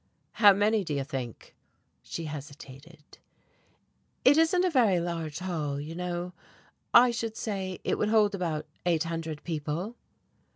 "How many do you think?" She hesitated. "It isn't a very large hall, you know. I should say it would hold about eight hundred people."